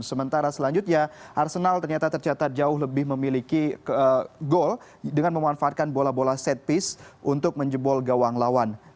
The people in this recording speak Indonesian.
sementara selanjutnya arsenal ternyata tercatat jauh lebih memiliki gol dengan memanfaatkan bola bola set piece untuk menjebol gawang lawan